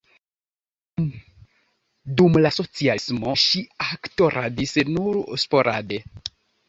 Dum la socialismo ŝi aktoradis nur sporade.